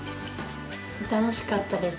楽しかったです。